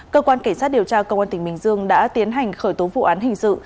cơ quan cảnh sát điều tra công an tỉnh bình dương đã tiến hành khởi tố vụ án hình sự